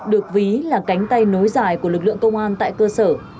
được ví là cánh tay nối dài của lực lượng công an tại cơ sở